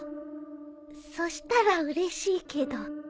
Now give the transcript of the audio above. そしたらうれしいけど